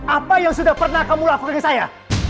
apa yang sudah pernah kamu lakukan ke saya